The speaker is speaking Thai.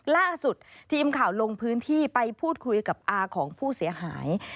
ล่าสุดทีมข่าวลงพื้นที่ไปพูดคุยกับอาของผู้เสียหาย